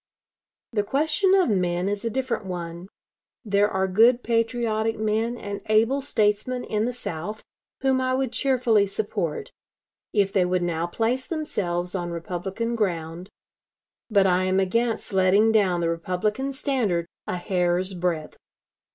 The question of men is a different one. There are good patriotic men and able statesmen in the South whom I would cheerfully support, if they would now place themselves on Republican ground, but I am against letting down the Republican standard a hair's breadth."